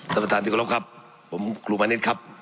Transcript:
สำหรับท่านที่ขอรับครับผมคุณครูมานิดครับ